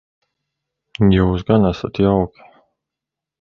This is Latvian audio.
Jūs gan esat jauki.